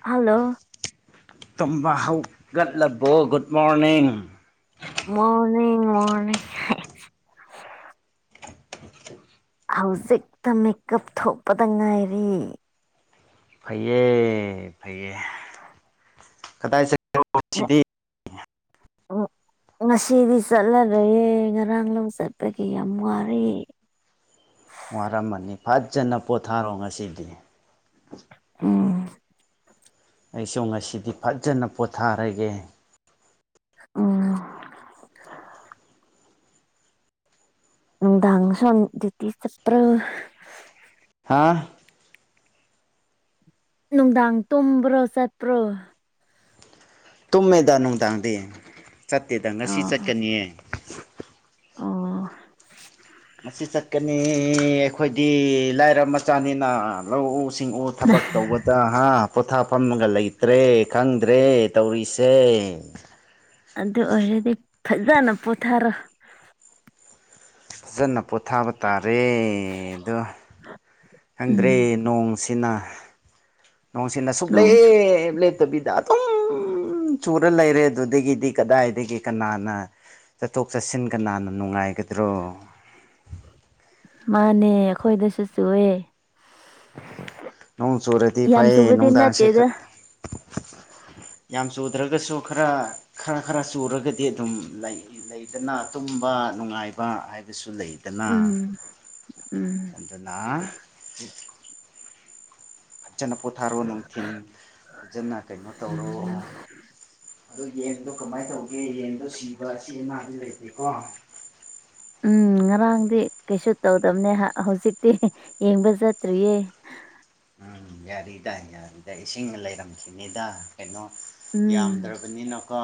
hello ꯇꯨꯝꯕ ꯍꯧꯒꯠꯂꯕꯣ good morning morning morning ꯍꯧꯖꯤꯛꯇ ꯃꯦꯀꯞ ꯊꯣꯛꯄꯗ ꯉꯥꯏꯔꯤ ꯐꯩꯌꯦ ꯐꯩꯌꯦ ꯀꯗꯥꯏ ꯆꯠ ꯑ ꯁꯤꯗꯤ ꯑ [unintelligible] ꯉꯁꯤꯗꯤ ꯆꯠꯂꯔꯣꯏꯌꯦ ꯉꯔꯥꯡ ꯂꯧ ꯆꯠꯄꯒꯤ ꯌꯥꯝ ꯋꯥꯔ ꯋꯥꯔꯝꯃꯅꯤ ꯐꯖꯅ ꯄꯣꯊꯥꯔꯣ ꯉꯁꯤꯗꯤ ꯎꯝ ꯑꯩꯁꯨ ꯉꯁꯤꯗꯤ ꯐꯖꯅ ꯄꯣꯊꯥꯔꯒꯦ ꯎ ꯅꯨꯡꯗꯥꯥꯡꯁꯨ ꯗꯤ꯭ꯌꯨꯇꯤ ꯆꯄ꯭ꯔꯣ ꯍꯥꯥ ꯅꯨꯡꯗꯥꯡ ꯇꯨꯝꯕ꯭ꯔꯣ ꯆꯠꯄ꯭ꯔꯣ ꯇꯨꯝꯃꯦꯗ ꯅꯨꯡꯗꯥꯡꯗꯤ ꯆꯠꯇꯦꯗ ꯉꯁꯤ ꯑꯣ ꯆꯠꯀꯅꯤꯌꯦ ꯑꯣ ꯉꯁꯤ ꯆꯠꯀꯅꯤ ꯑꯩꯈꯣꯏꯗꯤ ꯂꯥꯏꯔ ꯃꯆꯥꯅꯤꯅ ꯂꯧꯎꯁꯤꯡꯎ ꯊꯕꯛ ꯇꯧꯕꯗ ꯍꯥ ꯄꯣꯊꯥꯐꯝꯒ ꯂꯩꯇ꯭ꯔꯦ ꯈꯪꯗ꯭ꯔꯦ ꯇꯧꯔꯤꯁꯦ ꯑꯗꯨ ꯑꯣꯏꯔꯗꯤ ꯐꯖꯅ ꯄꯣꯊꯔꯣ ꯐꯖꯅ ꯄꯣꯊꯥꯕ ꯇꯥꯔꯦꯗꯣ ꯎ [unintelligible] ꯈꯪꯗ꯭ꯔꯦ ꯅꯣꯡꯁꯤꯅ ꯅꯣꯡꯁꯤꯅ ꯁꯨꯛ ꯅꯣꯡꯁꯨ ꯂꯦꯞ ꯂꯦꯞꯇꯕꯤꯗ ꯎꯝ ꯆꯨꯔ ꯂꯩꯔꯦ ꯑꯗꯨꯗꯒꯤꯗꯤ ꯀꯗꯥꯏꯗꯒꯤ ꯀꯅꯥꯅ ꯆꯠꯊꯣꯛ ꯆꯠꯁꯤꯟꯒ ꯅꯥꯟꯅ ꯅꯨꯡꯉꯥꯏꯒꯗ꯭ꯔꯣ ꯃꯥꯅꯦ ꯑꯩꯈꯣꯏꯗꯁꯨ ꯆꯨꯑꯦ ꯅꯣꯡ ꯆꯨꯔꯗꯤ ꯌꯥꯝ ꯐꯩꯌꯦ ꯆꯨꯕꯗꯤ ꯅꯨꯡꯗꯥꯡꯁꯦ ꯈ ꯅꯠꯇꯦꯗ ꯌꯥꯝ ꯆꯨꯗ꯭ꯔꯒꯁꯨ ꯈꯔ ꯈꯔ ꯈꯔ ꯆꯨꯔꯒꯗꯤ ꯑꯗꯨꯝ ꯂꯩ ꯂꯩꯗꯅ ꯇꯨꯝꯕ ꯅꯨꯡꯉꯥꯏꯕ ꯍꯥꯏꯕꯁꯨ ꯂꯩ ꯗꯅꯥ ꯎꯝ ꯎꯝ ꯑꯗꯨꯅꯥ ꯐꯖꯅ ꯄꯣꯊꯥꯔꯣ ꯅꯨꯡꯊꯤꯟ ꯐꯖꯅ ꯀꯩꯅꯣ ꯇꯧꯔꯣ ꯑꯗꯣ ꯌꯦꯟꯗꯣ ꯀꯃꯥꯏ ꯇꯧꯒꯦ ꯌꯦꯟꯗꯣ ꯁꯤꯕ ꯑꯁꯤ ꯑꯅꯥꯗꯤ ꯂꯩꯇꯦꯀꯣ ꯎꯝ ꯉꯔꯥꯡꯗꯤ ꯀꯩꯁꯨ ꯇꯧꯗꯕꯅꯦ ꯍ ꯍꯧꯖꯤꯛꯇꯤ ꯌꯦꯡꯕ ꯆꯠꯇ꯭ꯔꯤꯌꯦ ꯎꯝ ꯌꯥꯔꯤꯗ ꯌꯥꯔꯤꯗ ꯏꯁꯤꯡꯒ ꯂꯩꯔꯝꯈꯤꯅꯤꯗ ꯀꯩꯅꯣ ꯎꯝ ꯌꯥꯝꯗ꯭ꯔꯕꯅꯤꯅꯀꯣ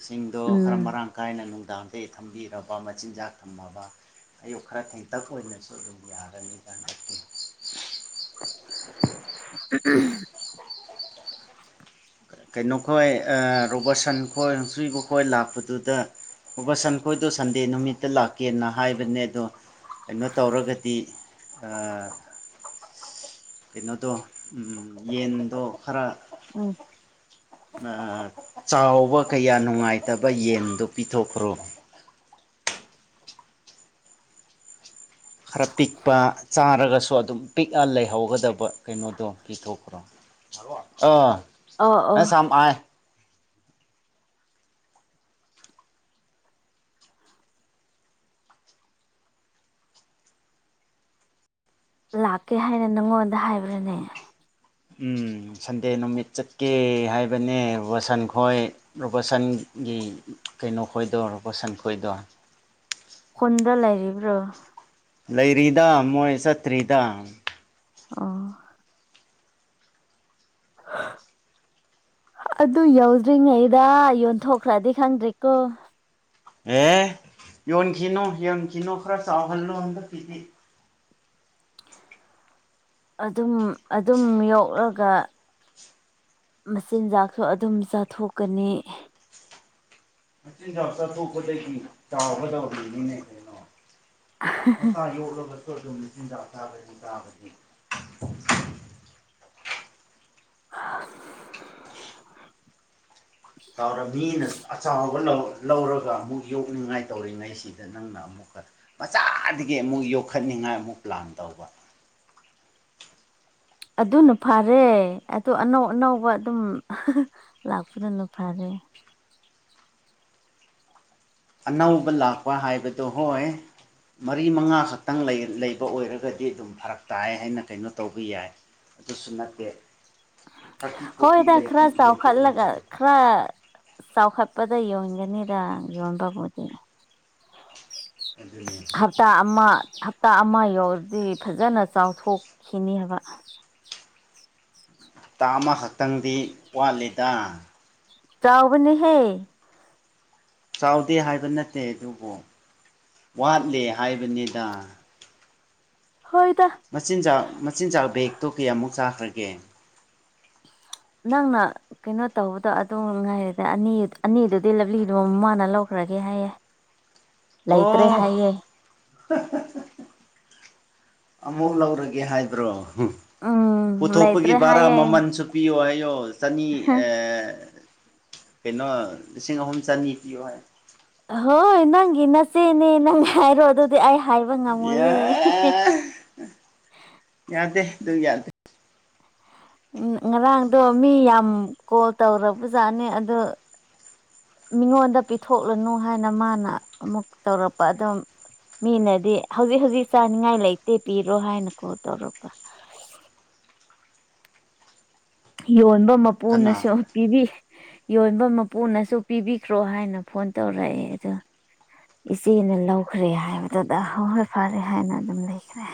ꯏꯁꯤꯡꯗꯣ ꯈꯔ ꯎꯝ ꯃꯔꯥꯡ ꯀꯥꯏꯅ ꯅꯨꯡꯗꯥꯡ ꯗꯤ ꯊꯝꯕꯤꯔꯕ ꯃꯆꯤꯟꯖꯥꯛ ꯊꯝꯃꯕ ꯑꯌꯨꯛ ꯈꯔ ꯊꯦꯟꯇꯛ ꯑꯣꯏꯅꯁꯨ ꯑꯗꯨꯝ ꯌꯥꯔꯅꯤ ꯍꯟꯗꯛꯇꯤ ꯎꯝꯎꯝ ꯀꯩꯅꯣ ꯈꯣꯏ ꯔꯣꯕꯔꯠꯁꯟ ꯈꯣꯏ [unintelligible] ꯈꯣꯏ ꯂꯥꯛꯄꯗꯨꯗ ꯔꯣꯕꯔꯠꯁꯟꯈꯣꯏꯗꯣ ꯁꯟꯗꯦ ꯅꯨꯃꯤꯠꯇ ꯂꯥꯛꯀꯦꯅ ꯍꯥꯏꯕꯅꯦ ꯑꯗꯣ ꯀꯩꯅꯣ ꯇꯧꯔꯒꯗꯤ ꯑ ꯀꯩꯅꯣꯗꯣ ꯌꯦꯟꯗꯣ ꯈꯔ ꯑꯧ ꯑ ꯆꯥꯎꯕ ꯀꯌꯥ ꯅꯨꯡꯉꯥꯏꯇꯕ ꯌꯦꯟꯗꯨ ꯄꯤꯊꯣꯛꯈ꯭ꯔꯣ ꯈꯔ ꯄꯤꯛꯄ ꯆꯥꯔꯒꯁꯨ ꯑꯗꯨꯝ ꯄꯤꯛꯑ ꯂꯩꯍꯧꯒꯗꯕ ꯀꯩꯅꯣꯗꯣ ꯄꯤꯊꯣꯛꯈ꯭ꯔꯣ ꯑꯣ ꯑ ꯑꯣ [unintelligible] ꯁꯝ ꯑꯥꯏ ꯂꯥꯛꯀꯦ ꯍꯥꯏꯅ ꯅꯪꯉꯣꯟꯗ ꯍꯥꯏꯕ꯭ꯔꯅꯦ ꯎꯝ ꯁꯟꯗꯦ ꯅꯨꯃꯤꯠ ꯆꯠꯀꯦ ꯍꯥꯏꯕꯅꯦ ꯔꯣꯁꯟ ꯈꯣꯏ ꯔꯣꯕꯥꯔꯠꯁꯟꯒꯤ ꯀꯩꯅꯣ ꯈꯣꯏꯗꯣ ꯔꯣꯕꯥꯔꯠꯁꯟ ꯈꯣꯏꯗꯣ ꯈꯨꯟꯗ ꯂꯩꯥꯏꯔꯤꯕ꯭ꯔꯣ ꯂꯩꯔꯤꯗ ꯃꯣꯏ ꯆꯠꯇ꯭ꯔꯤꯗ ꯑꯣ [inaudible] ꯑꯗꯨ ꯌꯧꯗ꯭ꯔꯤꯉꯩꯗ ꯌꯣꯟꯊꯣꯛꯈ꯭ꯔꯗꯤ ꯈꯪꯗ꯭ꯔꯦꯀꯣ ꯑꯦ ꯌꯣꯟꯈꯤꯅꯨ ꯌꯣꯟꯈꯤꯅꯨ ꯈꯔ ꯆꯥꯎꯍꯜꯂꯨ ꯍꯟꯗꯛꯀꯤꯗꯤ ꯑꯗꯨꯝ ꯑꯗꯨꯝ ꯌꯣꯛꯔꯒ ꯃꯆꯤꯟꯖꯥꯛꯁꯨ ꯑꯗꯨꯝ ꯆꯥꯊꯣꯛꯀꯅꯤ ꯃꯆꯤꯟꯖꯥꯛ ꯆꯥꯊꯣꯛꯄꯗꯒꯤ ꯆꯥꯎꯒꯗꯧꯔꯤꯅꯤꯅꯦ ꯀꯩꯅꯣ ꯃꯆꯥ ꯌꯣꯛꯂꯒꯁꯨ ꯑꯗꯨꯝ ꯃꯆꯤꯟꯖꯥꯛ ꯆꯥꯕꯗꯤ ꯆꯥꯒꯅꯤ ꯇꯧꯔ ꯃꯤꯅ ꯑꯆꯥꯎꯕ ꯂꯧ ꯂꯧꯔꯒ ꯑꯃꯨꯛ ꯌꯣꯛꯅꯤꯡꯉꯥꯏ ꯇꯧꯔꯤꯉꯩꯁꯤꯗ ꯅꯪꯅ ꯑꯃꯨꯛ ꯃꯆꯥꯗꯒꯤ ꯑꯃꯨꯛ ꯌꯣꯛꯈꯠꯅꯤꯡꯉꯥꯏ ꯑꯃꯨꯛ ꯄ꯭ꯂꯥꯟ ꯇꯧꯕ ꯑꯗꯨꯅ ꯐꯥꯔꯦ ꯑꯗꯨ ꯑꯅꯧ ꯑꯅꯧꯕ ꯑꯗꯨꯝ ꯂꯥꯛꯄꯗꯨꯅ ꯐꯔꯦ ꯑꯅꯧꯕ ꯂꯥꯛꯄ ꯍꯥꯏꯕꯗꯨ ꯍꯣꯏ ꯃꯔꯤ ꯃꯉꯥ ꯈꯛꯇꯪ ꯂꯩ ꯂꯩꯕ ꯑꯣꯏꯔꯒꯗꯤ ꯑꯗꯨꯝ ꯐꯔꯛ ꯇꯥꯏ ꯍꯥꯏꯅ ꯀꯩꯅꯣ ꯇꯧꯕ ꯌꯥꯏ ꯑꯗꯨꯁꯨ ꯅꯠꯇꯦ ꯊꯥꯔꯇꯤ ꯐꯣꯔꯇꯤ ꯍꯣꯏꯗ ꯂꯩ [inaudible] ꯈꯔ ꯆꯥꯎꯈꯠꯂꯒ ꯈꯔ ꯆꯥꯎꯈꯠꯄꯗ ꯌꯣꯟꯒꯅꯤꯗ ꯌꯣꯟꯕꯕꯨꯗꯤ [inaudible] ꯍꯞ ꯇꯥ ꯑꯃ ꯍꯞꯇꯥ ꯑꯃ ꯌꯧꯔꯗꯤ ꯐꯖꯅ ꯆꯥꯎꯊꯣꯛꯈꯤꯅꯤ ꯍꯥꯏꯕ ꯇꯥ ꯑꯃꯈꯛꯇꯪꯗꯤ ꯋꯥꯠꯂꯤꯗ ꯆꯥꯎꯕꯅꯤꯍꯦ ꯆꯥꯎꯗꯦ ꯍꯥꯏꯕ ꯅꯠꯇꯦ ꯑꯗꯨꯕꯨ ꯋꯥꯠꯂꯦ ꯍꯥꯏꯕꯅꯤꯗ ꯍꯣꯏꯗ ꯃꯆꯤꯟꯖꯥꯛ ꯃꯆꯤꯟꯖꯥꯛ ꯕꯦꯛꯇꯣ ꯀꯌꯥꯃꯨꯛ ꯆꯥꯈ꯭ꯔꯒꯦ ꯅꯪꯅ ꯀꯩꯅꯣ ꯇꯧꯕꯗꯣ ꯑꯗꯨ ꯉꯥꯏꯔꯦꯗ ꯑꯅꯤ ꯑꯅꯤꯗꯨꯗꯤ ꯂꯞꯂꯤꯗꯨ ꯃꯃꯥꯅ ꯂꯧꯈ꯭ꯔꯒꯦ ꯍꯥꯏꯌꯦꯦ ꯂꯩꯩꯇ꯭ꯔꯦ ꯑꯣ ꯍꯥꯏꯌꯦ ꯑꯃꯨꯛ ꯂꯧꯔꯒꯦ ꯍꯥꯏꯕ꯭ꯔꯣ ꯎꯝ ꯄꯨꯊꯣꯛꯄꯒꯤ ꯂꯩꯇ꯭ꯔꯦ ꯚꯔꯥ ꯍꯥꯏꯌꯦ ꯃꯃꯜꯁꯨ ꯄꯤꯌꯣ ꯍꯥꯏꯌꯣ ꯆꯅꯤ ꯑ ꯀꯩꯅꯣ ꯂꯤꯁꯤꯡ ꯑꯍꯨꯝ ꯆꯅꯤ ꯄꯤꯌꯣ ꯍꯥꯏ ꯍꯣꯏ ꯅꯪꯒꯤ ꯅꯆꯦꯅꯦ ꯅꯪ ꯍꯥꯏꯔꯣ ꯑꯗꯨꯗꯤ ꯑꯩ ꯍꯥꯏꯕ ꯉꯝꯃꯣꯏꯌꯦꯦ ꯌꯥꯗꯦ ꯑꯗꯨ ꯌꯥꯗꯦ ꯉꯔꯥꯡꯗꯣ ꯃꯤ ꯌꯥꯝ ꯀꯣꯜ ꯇꯧꯔꯕꯖꯥꯠꯅꯤ ꯑꯗ ꯃꯤꯉꯣꯟꯗ ꯄꯤꯊꯣꯛꯂꯅꯨ ꯍꯥꯏꯅ ꯃꯥꯅ ꯑꯃꯨꯛ ꯇꯧꯔꯛꯄ ꯑꯗꯨꯝ ꯃꯤꯅꯗꯤ ꯍꯧꯖꯤꯛ ꯍꯧꯖꯤꯛ ꯆꯥꯅꯤꯡꯉꯥꯏ ꯂꯩꯇꯦ ꯄꯤꯔꯣ ꯍꯥꯏꯅ ꯀꯣꯜ ꯇꯧꯔꯛꯄ ꯌꯣꯟꯕ ꯃꯄꯨꯅꯁꯨ ꯀꯅꯥ ꯄꯤꯕꯤ ꯌꯣꯟꯕ ꯃꯄꯨꯅꯁꯨ ꯄꯤꯕꯤꯈ꯭ꯔꯣ ꯍꯥꯏꯅ ꯐꯣꯟ ꯇꯧꯔꯛꯑꯦ ꯑꯗꯣ ꯏꯆꯦꯅ ꯂꯧꯈ꯭ꯔꯦ ꯍꯥꯏꯕꯗꯨꯗ ꯍꯣꯏ ꯍꯣꯏ ꯐꯔꯦ ꯍꯥꯏꯅ ꯑꯗꯨꯝ ꯂꯩꯈ꯭ꯔꯦ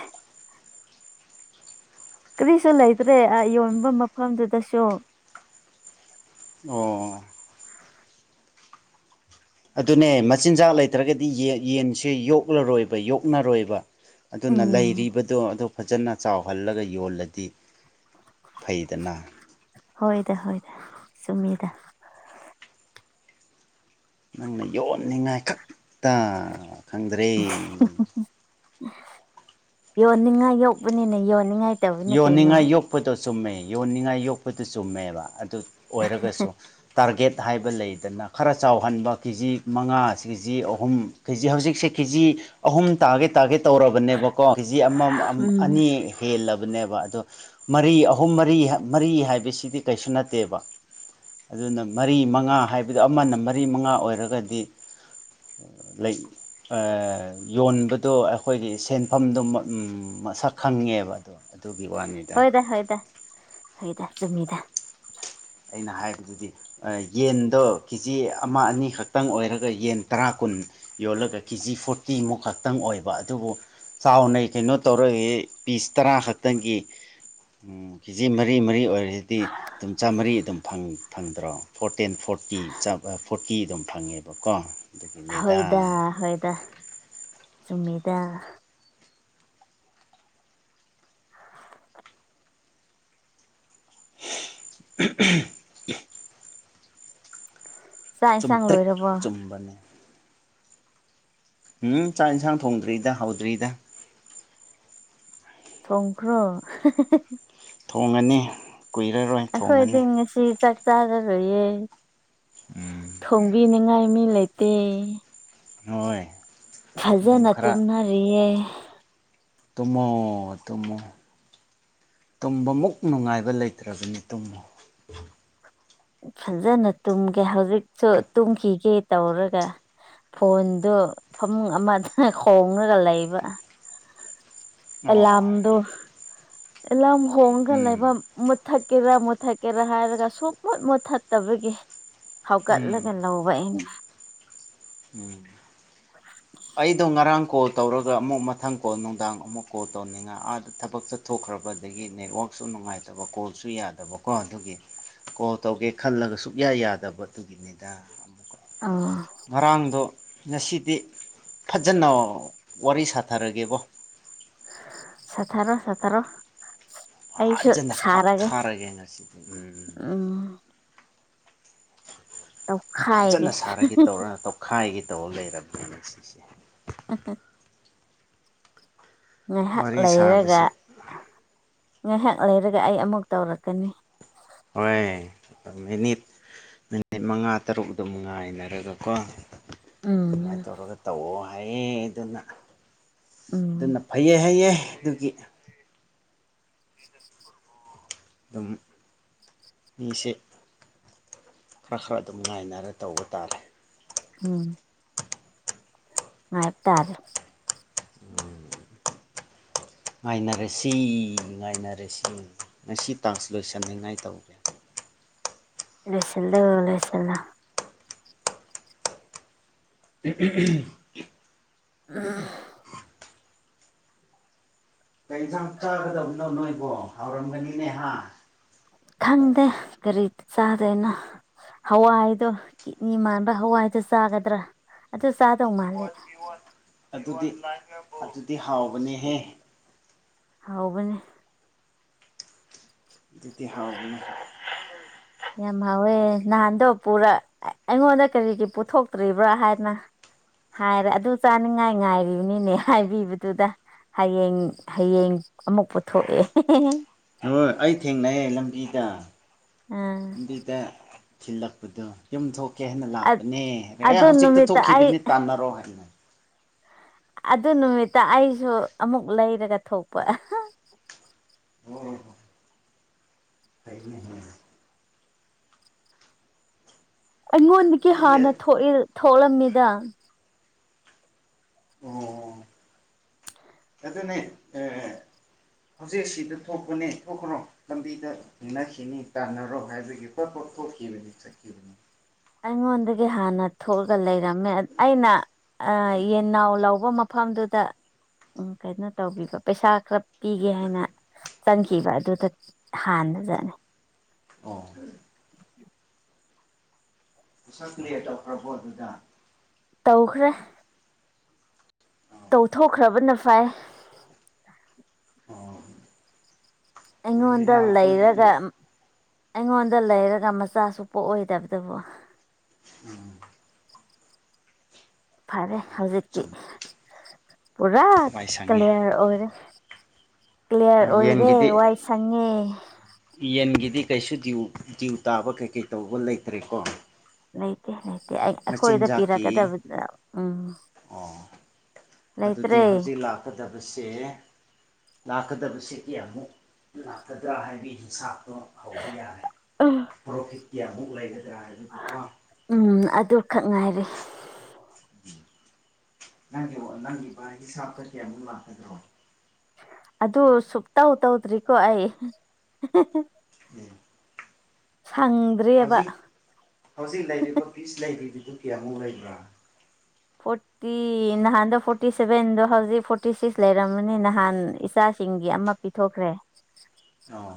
ꯀꯔꯤꯁꯨ ꯂꯩꯇ꯭ꯔꯦ ꯌꯣꯟꯕ ꯃꯐꯝꯗꯨꯗꯁꯨ ꯑꯣ ꯑꯗꯨꯅꯦ ꯃꯆꯤꯟꯖꯥꯛ ꯂꯩꯇ꯭ꯔꯒꯗꯤ ꯌꯦꯟꯁꯦ ꯌꯣꯛꯂꯔꯣꯏꯕ ꯌꯣꯛꯅꯔꯣꯏꯕ ꯑꯗꯨꯅ ꯎꯝ ꯂꯩꯔꯤꯕꯗꯣ ꯑꯗꯨ ꯐꯖꯅ ꯆꯥꯎꯍꯜꯂꯒ ꯌꯣꯜꯂꯗꯤ ꯐꯩꯗꯅ ꯍꯣꯏꯗ ꯍꯣꯏꯗ ꯆꯨꯝꯃꯤꯗ ꯅꯪꯅ ꯌꯣꯟꯅꯤꯡꯉꯥꯏ ꯈꯛꯇ ꯈꯪꯗ꯭ꯔꯦ ꯎ ꯌꯣꯟꯅꯤꯡꯉꯥꯏ ꯌꯣꯛꯧꯕꯅꯤꯅꯦ ꯌꯣꯟꯅꯤꯡꯉꯥꯏ ꯇꯧꯕꯅꯦ ꯀꯩꯅꯣ ꯌꯣꯟꯅꯤꯡꯉꯥꯏ ꯌꯣꯛꯄꯗꯣ ꯆꯨꯝꯃꯦ ꯌꯣꯟꯅꯤꯡꯉꯥꯏ ꯌꯣꯛꯄꯗꯨ ꯆꯨꯝꯃꯦꯕ ꯑꯗꯨ ꯑꯣꯏꯔꯒꯁꯨ ꯇꯥꯔꯒꯦꯠ ꯍꯥꯏꯕ ꯂꯩꯗꯅ ꯈꯔ ꯆꯥꯎꯍꯟꯕ ꯀꯦꯖꯤ ꯃꯉꯥ ꯀꯦꯖꯤ ꯑꯍꯨꯝ ꯀꯦꯖꯤ ꯍꯧꯖꯤꯛꯁꯦ ꯀꯦꯖꯤ ꯑꯍꯨꯝ ꯇꯥꯔꯒꯦ ꯇꯥꯔꯒꯦ ꯇꯧꯔꯕꯅꯦꯕꯀꯣ ꯀꯦꯖꯤ ꯑꯃ ꯎꯝ ꯑꯅꯤ ꯍꯦꯜꯂꯕ ꯕ ꯑ ꯃꯔꯤ ꯑꯍꯨꯝ ꯃꯔꯤ ꯃꯔꯤ ꯍꯥꯏꯕꯁꯤꯗꯤ ꯀꯩꯁꯨ ꯅꯠꯇꯦꯕ ꯑꯗꯨꯅ ꯃꯔꯤ ꯃꯉꯥ ꯍꯥꯏꯕꯗꯨ ꯑꯃꯅ ꯃꯔꯤ ꯃꯉꯥ ꯑꯣꯏꯔꯒꯗꯤ ꯂꯩ ꯌꯣꯟꯕꯗꯣ ꯑꯩꯈꯣꯏꯒꯤ ꯁꯦꯟꯐꯝꯗꯣ ꯃꯁꯛ ꯈꯪꯉꯦꯕ [inaudible] ꯋꯥꯅꯤꯗ ꯍꯣꯏꯗ ꯍꯣꯏꯗ ꯍꯣꯏꯗ ꯁꯃꯗ ꯑꯩꯅ ꯍꯥꯏꯕꯗꯨꯗꯤ ꯌꯦꯟꯗꯣ ꯀꯦꯖꯤ ꯑꯃ ꯑꯅꯤꯈꯛꯇꯪ ꯑꯣꯏꯔꯒ ꯌꯦꯟ ꯇꯔꯥ ꯀꯨꯟ ꯌꯣꯜꯂꯒ ꯀꯦ ꯖꯤ ꯐꯣꯔꯇꯤꯃꯨꯛ ꯈꯛꯇꯪ ꯑꯣꯏꯕ ꯑꯗꯨꯕꯨ ꯆꯥꯎꯅ ꯀꯩꯅꯣ ꯇꯧꯔꯒꯦ ꯄꯤꯁ ꯇꯔꯥ ꯈꯛꯇꯪꯒꯤ ꯎꯝ ꯀꯦꯖꯤ ꯃꯔꯤ ꯃꯔꯤ ꯑꯣꯏꯔꯁꯤꯗꯤ ꯑꯗꯨꯨꯝ ꯆꯥꯃꯔꯤ ꯐꯪꯗ꯭ꯔꯣ ꯐꯣꯔꯇꯦꯟ ꯐꯣꯔꯇꯤ ꯐꯣꯔꯇꯤ ꯑꯗꯨꯝ ꯐꯪꯉꯦꯕꯀꯣ ꯑꯗꯨꯒꯤꯅꯦꯗ ꯍꯣꯏꯗ ꯍꯣꯏꯗ ꯆꯨꯝꯃꯤꯗ [inaudible] ꯆꯥꯛ ꯏꯟꯁꯥꯡ ꯂꯣꯏꯔꯕꯣ ꯍꯕꯅꯦ ꯎꯝ ꯆꯥꯛ ꯌꯦꯟꯁꯥꯡ ꯊꯣꯡꯗ꯭ꯔꯤꯗ ꯍꯧꯗ꯭ꯔꯤꯗ ꯁꯪꯈ꯭ꯔ ꯊꯣꯡꯉꯅꯤ ꯀꯨꯏꯔꯔꯣꯏ ꯑꯩꯈꯣꯏꯗꯤ ꯊꯣꯡꯉꯅꯤ ꯉꯁꯤ ꯆ ꯆꯥꯔꯔꯣꯏꯌꯦꯦ ꯎꯝ ꯊꯣꯡꯕꯤꯅꯤꯉꯥꯏ ꯃꯤ ꯂꯩꯇꯦ ꯍꯣꯏ ꯑꯗꯨꯝ ꯐꯖꯅ ꯈꯔ ꯇꯨꯝꯅꯔꯤꯌꯦ ꯇꯃꯣ ꯇꯃꯣ ꯇꯨꯝꯕꯃꯨꯛ ꯅꯨꯡꯉꯥꯏꯕ ꯂꯩꯇ꯭ꯔꯕꯅꯤ ꯇꯨꯝꯃꯨ ꯐꯖꯅ ꯇꯨꯝꯒꯦ ꯍꯧꯖꯤꯛꯁꯨ ꯇꯨꯝꯈꯤꯒꯦ ꯇꯧꯔꯒ ꯐꯣꯟꯗ ꯐꯃꯨꯡ ꯑꯃꯗꯅ ꯈꯣꯡꯉꯒ ꯂꯩꯕ ꯑꯣ ꯑꯦꯂꯥꯔꯝꯗꯣ ꯑꯦꯂꯥꯔꯝ ꯍꯣꯡꯉꯒ ꯎꯝ ꯂꯩꯕ ꯃꯨꯠꯊꯠꯀꯦꯔ ꯃꯨꯠꯊꯠꯀꯦꯔ ꯍꯥꯏꯔꯒ ꯁꯨꯝ ꯃꯨꯠ ꯃꯨꯠꯊꯠꯇꯕꯒꯤ ꯎꯝ ꯍꯧꯒꯠꯂꯒꯂ ꯍꯕ ꯎꯝ ꯑꯩꯗꯣ ꯉꯔꯥꯡ ꯀꯣꯠ ꯇꯧꯔꯒ ꯑꯃꯨꯛ ꯃꯊꯪ ꯀꯣꯜ ꯅꯨꯡꯗꯥꯡ ꯑꯃꯨꯛ ꯀꯣꯜ ꯇꯧꯅꯤꯡꯉ ꯑꯥꯗ ꯊꯕꯛ ꯆꯠꯊꯣꯛꯈ꯭ꯔꯕꯗꯒꯤ ꯅꯦꯠꯋꯥꯛ ꯁ ꯅꯨꯡꯉꯥꯏꯇꯕ ꯀꯣꯜꯁꯨ ꯌꯥꯗꯕꯀꯣ ꯑꯗꯨꯒꯤ ꯀꯣ ꯇꯧꯒꯦ ꯈꯜꯂꯒ ꯁꯨꯛꯌꯥ ꯌꯥꯗꯕ ꯑꯗꯨꯒꯤꯅꯤꯗ ꯑꯃꯨꯛꯀ ꯑ ꯉꯔꯥꯡꯗꯣ ꯉꯁꯤꯗꯤ ꯐꯖꯅ ꯋꯥꯔꯤ ꯁꯥꯊꯔꯒꯦꯕꯣ ꯁꯊꯔꯣ ꯁꯇꯔꯣ ꯑꯩꯁꯨ ꯐꯖꯅ ꯁꯥꯔꯒꯦ ꯀꯥꯞꯊꯥꯔꯒꯦ ꯉꯁꯤꯗꯤ ꯎꯝ ꯇꯧꯈꯥꯏꯒꯦ ꯐꯖꯅ ꯁꯥꯔꯒꯦ ꯇꯧꯔ ꯇꯧꯈꯥꯏꯒꯦ ꯇꯧꯔ ꯂꯩꯔꯕꯅꯦꯅ ꯁꯤꯁꯦ ꯍ ꯍ ꯉꯥꯏꯍꯥꯛ ꯋꯥꯔꯤ ꯂꯩꯔꯒ ꯁꯥꯕꯁꯦ ꯉꯥꯏꯍꯥꯛ ꯂꯩꯔꯒ ꯑꯩ ꯑꯃꯨꯛ ꯇꯧꯔꯛꯀꯅꯤ ꯍꯣꯏ ꯃꯤꯅꯤꯠ ꯃꯤꯅꯤꯠ ꯃꯉꯥ ꯇꯔꯨꯛ ꯑꯗꯨꯝ ꯉꯥꯏꯅꯔꯒꯀꯣ ꯎꯝ ꯑꯗꯨꯃꯥꯏꯅ ꯇꯧꯔꯒ ꯇꯧꯑꯣ ꯍꯥꯏꯌꯦ ꯑꯗꯨꯅ ꯎꯝ ꯑꯗꯨꯅ ꯐꯩꯌꯦ ꯍꯥꯏꯩꯌꯦ ꯑꯗꯨꯒꯤ ꯑꯗꯨꯝ ꯃꯤꯁꯦ ꯈꯔ ꯈꯔ ꯑꯗꯨꯝ ꯉꯥꯏꯅꯔ ꯇꯧꯕ ꯇꯥꯔꯦ ꯎꯝ ꯉꯥꯏꯕ ꯇꯥꯔꯦ ꯎꯝ ꯉꯥꯏꯅꯔꯁꯤ ꯉꯥꯏꯅꯔꯁꯤ ꯉꯁꯤ ꯇ꯭ꯔꯥꯟꯁꯂꯣꯏꯁꯟꯅꯤꯡꯉꯥꯏ ꯇꯧꯒꯦ ꯂꯁꯗ ꯂꯩꯁꯗ ꯎꯝ ꯎꯝ ꯎ ꯀ ꯌꯦꯟꯁꯥꯡ ꯆꯥꯒꯗꯕꯅꯣ ꯅꯣꯏꯕꯣ ꯍꯥꯎꯔꯝꯒꯅꯤꯅꯦꯍ ꯈꯪꯗꯦ ꯀꯔꯤ ꯆꯥꯗꯦꯅ ꯍꯋꯥꯏꯗꯣ ꯀꯤꯠꯅꯤ ꯃꯥꯟꯕ ꯍꯋꯥꯏꯗꯨꯣ ꯆꯥꯒꯗ꯭ꯔꯥ ꯑꯗꯨ ꯆꯥꯗꯧ ꯃꯥꯜꯂꯦ ꯑꯗꯨꯗꯤ ꯑꯗꯨꯗꯤ ꯍꯥꯎꯕꯅꯦꯍꯦ ꯍꯕꯅꯦ ꯑꯗꯨꯗꯤ ꯍꯥꯎ ꯌꯥꯝ ꯍꯥꯎꯋꯦ ꯅꯍꯥꯟꯗꯣ ꯄꯨꯔ ꯑꯩꯉꯣꯟꯗ ꯀꯔꯤꯒꯤ ꯄꯨꯊꯣꯛꯇ꯭ꯔꯤꯕ꯭ꯔꯥ ꯍꯥꯏꯅ ꯍꯥꯏꯔ ꯑꯗꯨ ꯆꯥꯅꯤꯡꯉꯥꯏ ꯉꯥꯏꯔꯤꯕꯅꯤꯅꯦ ꯍꯥꯏꯕꯤꯕꯗꯨꯗ ꯍꯌꯦꯡ ꯍꯌꯦꯡ ꯑꯃꯨꯛ ꯄꯨꯊꯣꯛꯑꯦ ꯍꯣꯏ ꯑꯩ ꯊꯦꯡꯅꯩꯌꯦ ꯂꯝꯕꯤꯗ ꯑꯥ ꯂꯝꯕꯤꯗ ꯊꯤꯜꯂꯛꯄꯗꯣ ꯌꯨꯝ ꯊꯣꯛꯀꯦ ꯍꯥꯏꯅ ꯂꯥꯛꯄꯅꯦ ꯑꯦ ꯑꯗꯨ ꯍꯧꯖꯤꯛꯇ ꯅꯨꯃꯤꯠꯇ ꯑꯩ ꯊꯣꯛꯈꯤꯕꯅꯤ ꯇꯥꯟꯅꯔꯣ ꯍꯥꯏꯅ ꯑꯗꯨ ꯅꯨꯃꯤꯠꯇ ꯑꯩꯁꯨ ꯑꯃꯨꯛ ꯂꯩꯔꯒ ꯊꯣꯛꯄ ꯑꯣ ꯍ ꯀꯅ ꯑꯩꯉꯣꯟꯗꯒꯤ ꯑꯩꯗꯤ ꯍꯥꯟꯅ ꯊꯣꯛꯂꯝꯃꯤꯗ ꯑꯣ ꯑꯗꯨ ꯑꯗꯨꯅꯤ ꯑꯦ ꯍꯧꯖꯤꯛ ꯁꯤꯗ ꯊꯣꯛꯄꯅꯤ ꯊꯣꯛꯈ꯭ꯔꯣ ꯂꯝꯕꯤꯗ ꯊꯦꯡꯅꯈꯤꯅꯤ ꯇꯥꯟꯅꯔꯣ ꯍꯥꯏꯕꯒꯤ ꯇꯣꯈꯤꯕꯕ ꯊꯈꯤꯕꯅꯤ ꯑꯩꯉꯣꯟꯗꯒꯤ ꯍꯥꯟꯅ ꯊꯣꯛꯂꯒ ꯂꯩꯔꯝꯃꯦ ꯑꯩꯅ ꯌꯦꯟꯅꯥꯎ ꯂꯧꯕ ꯃꯐꯝꯗꯨꯗ ꯎ ꯀꯩꯅꯣ ꯇꯧꯕꯤꯕ ꯄꯩꯁꯥ ꯈꯔ ꯄꯤꯒꯦ ꯍꯥꯏꯅ ꯆꯪꯈꯤꯕ ꯑꯗꯨꯗ ꯍꯥꯟꯅꯖꯠꯅꯦ ꯑꯣ [unintelligible] ꯅꯦꯠ ꯇꯧꯈ꯭ꯔꯕꯣ ꯑꯗꯨꯗ ꯇꯧꯈ꯭ꯔꯦ ꯇꯧꯊꯣꯛꯈ꯭ꯔꯕꯅ ꯐꯩ ꯑꯣ ꯍꯣꯏ ꯑꯩꯉꯣꯟꯗ ꯂꯩꯔꯒ ꯏꯅꯥꯎꯈꯣꯏꯒꯤꯗꯣ ꯑꯩꯉꯣꯟꯗ ꯂꯩꯔꯒ ꯃꯆꯥꯁꯨꯨ ꯄꯣꯛꯑꯣꯏꯗꯕꯗꯨꯕꯨ ꯎꯝ ꯐꯔꯦ ꯍꯧꯖꯤꯛꯇꯤ ꯆꯨꯝ ꯄꯨꯔꯥ ꯋꯥꯏ ꯁꯪꯉꯦ ꯀꯂꯤꯌꯥꯔ ꯑꯣꯏꯔꯦ ꯀ꯭ꯂꯤꯌꯥꯔ ꯑꯣꯏꯔꯦ ꯌꯦꯟꯒꯤꯗꯤ ꯋꯥꯏ ꯁꯪꯉꯦ ꯌꯦꯟꯒꯤꯗꯤ ꯀꯩꯁꯨ ꯗꯤꯎ ꯗꯤꯎ ꯇꯥꯕ ꯀꯩꯀꯩ ꯇꯧꯕ ꯂꯩꯇ꯭ꯔꯦꯀꯣ ꯂꯩꯇꯦ ꯂꯩꯇꯦ ꯑꯩꯈꯣꯏꯗ ꯃꯆꯤꯟꯖꯥꯛꯀꯤ ꯄꯤꯔꯛꯀꯗꯕꯗꯨꯗ ꯎꯝ ꯑꯣ ꯂꯩꯇ꯭ꯔꯦ ꯀꯗꯕꯁꯦ ꯂꯥꯛꯀꯗꯕꯁꯦ ꯀꯌꯥꯃꯨꯛ ꯂꯥꯛꯀꯗ꯭ꯔꯥ ꯍꯥꯏꯕꯒꯤ ꯍꯤꯁꯥꯕ ꯗꯣ ꯍꯧꯕ ꯌꯥꯔꯦ ꯄ꯭ꯔꯣꯐꯤꯠ ꯀꯌꯥꯃꯨꯛ ꯂꯩꯒꯗ꯭ꯔꯥ ꯍꯥꯏꯕꯗꯨꯀꯣ ꯎꯝ ꯑꯗꯨ ꯈꯛ ꯉꯥꯏꯔꯦ ꯅꯪꯒꯤ ꯅꯪꯒꯤ ꯕꯥ ꯍꯤꯁꯥꯞꯇ ꯀꯌꯥꯃꯨꯛ ꯂꯥꯛꯀꯗ꯭ꯔꯣ ꯑꯗꯨ ꯁꯨꯛꯇꯧ ꯇꯧꯗ꯭ꯔꯤꯀꯣ ꯑꯩ ꯎꯝ ꯁꯪꯗ꯭ꯔꯦꯕ ꯐꯤꯁ ꯂꯩꯔꯤꯗꯨꯗꯨ ꯀꯌꯥꯃꯨꯛ ꯂꯩꯕ꯭ꯔꯥ ꯐꯣꯔ ꯐꯣꯔꯇꯤ ꯅꯍꯥꯟꯗꯣ ꯐꯣꯔꯇꯤ ꯁꯚꯦꯟꯗꯣ ꯍꯧꯖꯤꯛ ꯐꯣꯔꯇꯤ ꯁꯤꯛꯁ ꯂꯩꯔꯝꯃꯅꯤ ꯅꯍꯥꯟ ꯏꯆꯥꯁꯤꯡꯒꯤ ꯑꯃ ꯄꯤꯊꯣꯛꯈ꯭ꯔꯦ ꯑꯣ